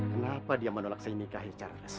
kenapa dia menolak saya nikah secara resmi